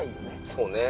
そうね